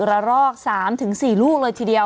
ละรอก๓๔ลูกเลยทีเดียว